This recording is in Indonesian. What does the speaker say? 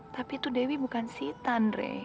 tapi itu dewi bukan sitan ndre